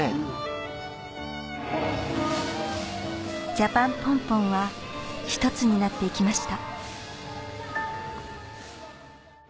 ジャパンポンポンはひとつになっていきました